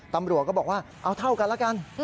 ตำรวจก็บอกว่าเอาเท่ากันแล้วกัน